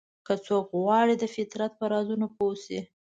که څوک غواړي د فطرت په رازونو پوه شي.